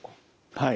はい。